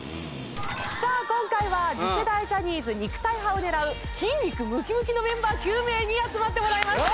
さあ今回は次世代ジャニーズ肉体派を狙う筋肉ムキムキのメンバー９名に集まってもらいました。